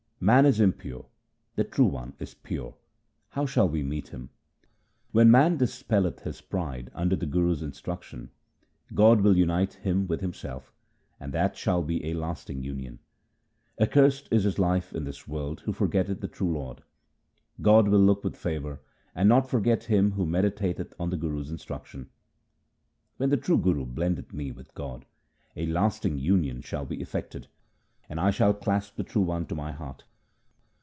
Man is impure ; the True One is pure ; how shall we meet Him ? When man dispelleth his pride under the Guru's instruction, God will unite him with Himself, and that shall be a lasting union. Accursed is his life in this world who forgetteth the true Lord ! God will look with favour and not forget him who medi tateth on the Guru's instruction. When the true Guru blendeth me with God, a lasting union shall be effected, and I shall clasp the True One to my heart.